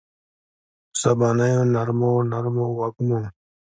په سبانیو نرمو، نرمو وږمو